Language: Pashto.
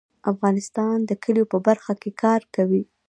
افغانستان د کلیو په برخه کې کار کوي.